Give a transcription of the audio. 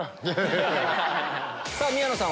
さぁ宮野さん